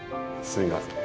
すみません。